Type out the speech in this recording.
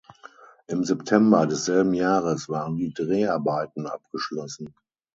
Im September desselben Jahres waren die Dreharbeiten abgeschlossen.